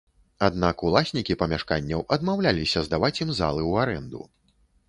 Аднак уласнікі памяшканняў адмаўляліся здаваць ім залы ў арэнду.